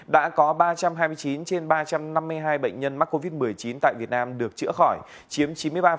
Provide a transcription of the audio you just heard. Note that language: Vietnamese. đã có ba trăm hai mươi chín trên ba trăm năm mươi hai bệnh nhân mắc covid một mươi chín tại việt nam được chữa khỏi chiếm chín mươi ba